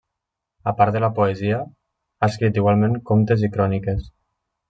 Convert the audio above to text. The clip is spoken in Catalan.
A part de la poesia, ha escrit igualment contes i cròniques.